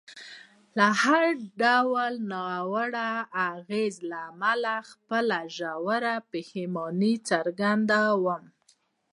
د هر ډول ناوړه اغېز له امله خپله ژوره پښیماني څرګندوم.